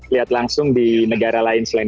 lihat langsung di negara lain selain